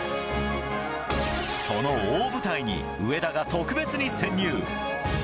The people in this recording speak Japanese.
その大舞台に上田が特別に潜入。